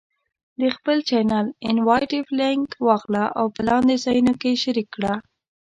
د خپل چینل Invite Link واخله او په لاندې ځایونو کې یې شریک کړه: